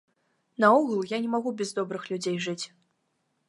Наогул, я не магу без добрых людзей жыць.